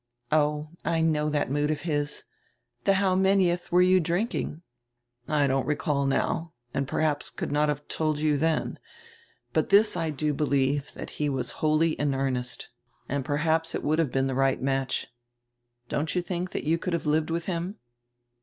"Oh, I know that mood of his. The how manieth were you drinking?" "I don't recall now and perhaps could not have told you then. But this I do believe, that he was wholly in earnest. And perhaps it would have been the right match. Don't you think you could have lived with him?"